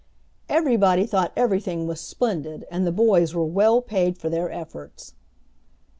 Everybody thought everything was splendid, and the boys were well paid for their efforts.